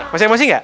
masih emosi ga